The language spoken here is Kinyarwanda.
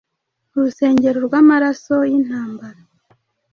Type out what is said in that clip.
Mu rusengero rwamaraso yintambara